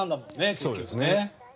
結局ね。